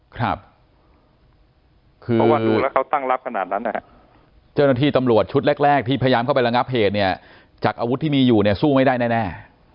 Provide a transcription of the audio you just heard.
เพราะว่าดูแล้วเขาตั้งรับขนาดนั้นเจ้าหน้าที่ตำรวจชุดแรกที่พยายามเข้าไประงับเหตุเนี่ยจากอาวุธที่มีอยู่เนี่ยสู้ไม่ได้แน่